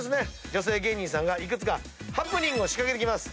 女性芸人さんが幾つかハプニングを仕掛けてきます。